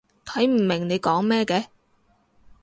睇唔明你講咩嘅